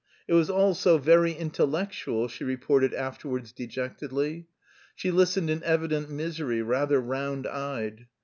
It was all "so very intellectual," she reported afterwards dejectedly. She listened in evident misery, rather round eyed.